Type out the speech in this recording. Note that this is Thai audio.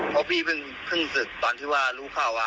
เพราะพี่เพิ่งศึกตอนที่ว่ารู้ข่าวว่า